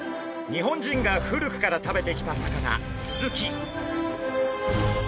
日本人が古くから食べてきた魚スズキ。